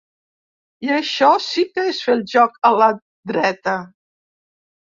I això sí que és fer el joc a la dreta.